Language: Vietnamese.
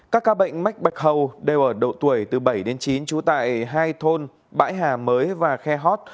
các ca bệnh mách bạch hầu đều ở độ tuổi từ bảy đến chín trú tại hai thôn bãi hà mới và khe hót